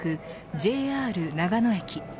ＪＲ長野駅。